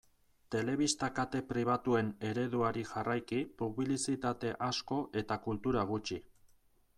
Telebista kate pribatuen ereduari jarraiki publizitate asko eta kultura gutxi.